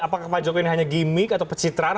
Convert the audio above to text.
apakah pak jokowi ini hanya gimmick atau pecitraan